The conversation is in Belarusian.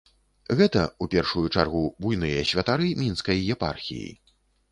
Гэта, у першую чаргу, буйныя святары мінскай епархіі.